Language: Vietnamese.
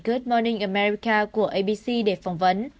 good morning america của abc để phỏng vấn